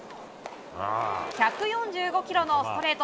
１４５キロのストレート。